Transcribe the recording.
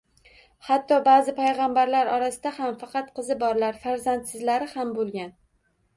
Hatto ba’zi payg‘ambarlar orasida ham faqat qizi borlar, farzandsizlari ham bo‘lgan.